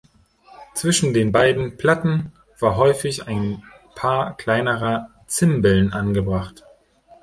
Zwischen den beiden Platten war häufig ein Paar kleinerer Zimbeln angebracht.